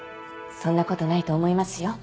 そんなことないと思いますよ